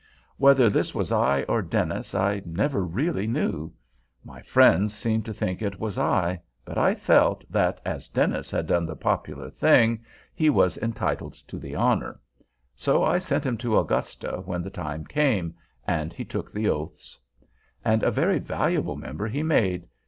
Whether this was I or Dennis, I never really knew. My friends seemed to think it was I; but I felt, that, as Dennis had done the popular thing, he was entitled to the honor; so I sent him to Augusta when the time came, and he took the oaths. And a very valuable member he made.